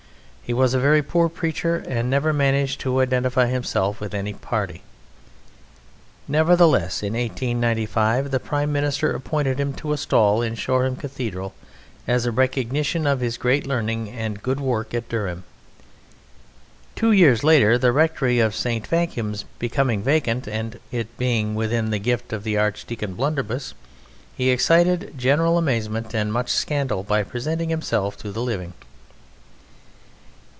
He was a very poor preacher and never managed to identify himself with any party. Nevertheless, in 1895 the Prime Minister appointed him to a stall in Shoreham Cathedral as a recognition of his great learning and good work at Durham. Two years later the rectory of St. Vacuums becoming vacant and it being within the gift of Archdeacon Blunderbuss, he excited general amazement and much scandal by presenting himself to the living."